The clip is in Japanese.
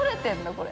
これ。